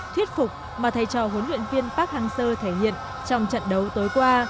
thuyết phục mà thầy trò huấn luyện viên park hang seo thể hiện trong trận đấu tối qua